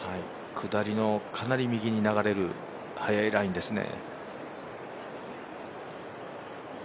下りのかなり右に流れる速いラインですね。